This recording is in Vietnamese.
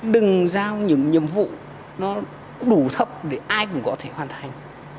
đừng giao những nhiệm vụ nó đủ thấp để ai cũng có thể hoàn thành